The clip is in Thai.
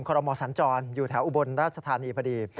รมอสัญจรอยู่แถวอุบลราชธานีพอดี